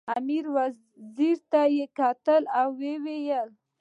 امیر وزیر ته وکتل او ویې ویل.